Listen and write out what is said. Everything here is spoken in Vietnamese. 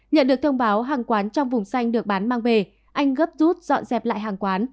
nhận được thông báo hàng quán trong vùng xanh được bán mang về anh gấp rút dọn dẹp lại hàng quán